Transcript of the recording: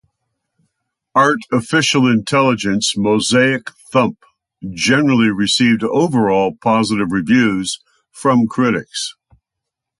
"Art Official Intelligence: Mosaic Thump" generally received overall positive reviews from critics.